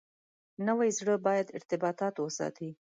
نوي زره باید ارتباطات وساتي.